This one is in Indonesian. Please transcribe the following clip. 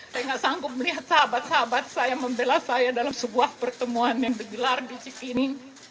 saya nggak sanggup melihat sahabat sahabat saya membela saya dalam sebuah pertemuan yang degilar di sisi ini